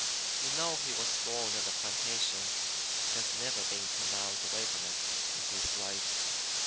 You know he was born on the plantation, and has never been ten miles away from it in his life.